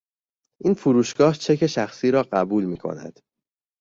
این فروشگاه چک شخصی را قبول میکند.